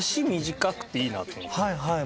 はいはい。